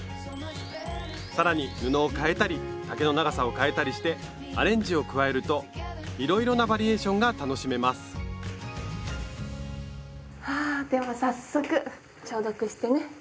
更に布を変えたり丈の長さを変えたりしてアレンジを加えるといろいろなバリエーションが楽しめますはでは早速消毒してね。